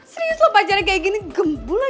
serius lo pacarnya kayak gini gembul lagi